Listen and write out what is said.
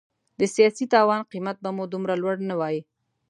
د سیاسي تاوان قیمت به مو دومره لوړ نه وای.